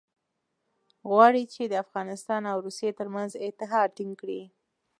غواړي چې د افغانستان او روسیې ترمنځ اتحاد ټینګ کړي.